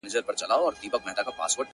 پخپله ورک یمه چي چیري به دي بیا ووینم؛